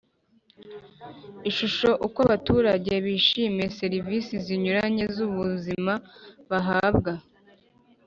Ishusho Uko Abaturage Bishimiye Serivisi Zinyuranye Z Ubuzima Bahabwa